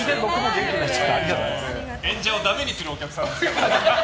演者をダメにするお客さんです。